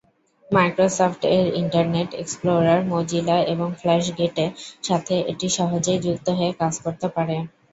Microsoft এর Internet Explorer, Mozilla এবং FlashGet এর সাথে এটি সহজেই যুক্ত হয়ে কাজ করতে পারে।